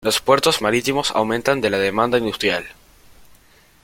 Los puertos marítimos aumentan de la demanda industrial.